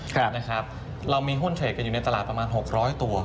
ครับนะครับเรามีหุ้นเทรดกันอยู่ในตลาดประมาณหกร้อยตัว